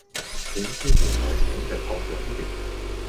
點知原來請著個冗員